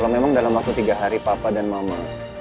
kalau memang dalam waktu tiga hari papa dan mama